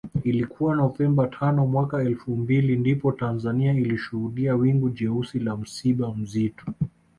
Ilikuwa Novemba tano mwaka elfu mbili ndipo Tanzania ilishuhudia wingu jeusi la msiba mzito